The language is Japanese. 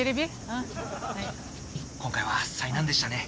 今回は災難でしたね。